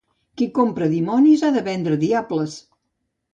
Qui compra dimonis ha de vendre diables.